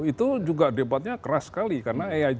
itu juga debatnya keras sekali karena aign